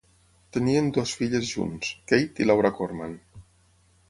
Tenien dues filles junts, Kate i Laura Korman.